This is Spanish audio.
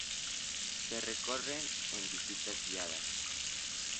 Se recorren en visitas guiadas.